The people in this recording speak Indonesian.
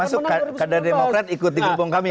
termasuk kader demokrat ikut di gerbong kami